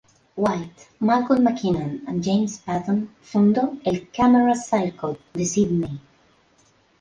White, Malcolm McKinnon y James Paton, fundó el "Camera Circle" de Sídney.